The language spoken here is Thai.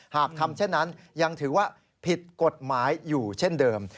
หากทำเช่นนั้นยังถือว่าผิดกฎหมายอยู่เช่นเดิม